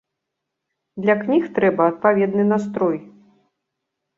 Для кніг трэба адпаведны настрой.